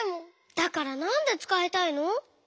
だからなんでつかいたいの？